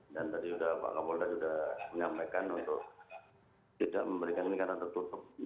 dan tadi pak kapolta sudah menyampaikan untuk tidak memberikan ini karena tertutup